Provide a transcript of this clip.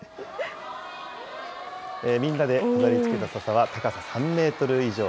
みんなで飾りつけたささは、高さ３メートル以上。